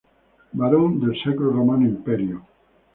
Barón del Sacro Romano Imperio.